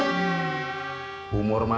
apa yang terakhir oleh kita